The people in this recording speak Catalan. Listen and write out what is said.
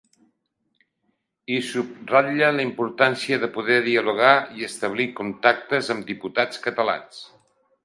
I subratlla la importància de poder dialogar i establir contactes amb diputats catalans.